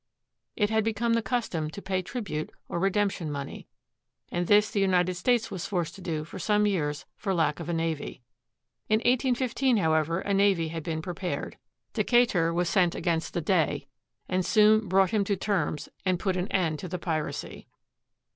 It had become the custom to pay tribute or redemption money, and this the United States was forced to do for some years for lack of a navy. In 1815, however, a navy had been prepared. Decatur was sent against the Dey, and soon brought him to terms and put an end to the piracy.